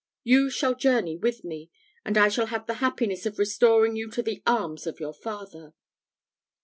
You shall journey with me, and I shall have the happiness of restoring you to the arms of your father."